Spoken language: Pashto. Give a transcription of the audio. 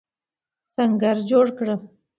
سنګر جوړ کړه.